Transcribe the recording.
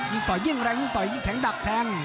ยิ่งต่อยิ่งแรงยิ่งต่อยิ่งแข็งแดบแทง